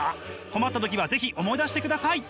困った時は是非思い出してください！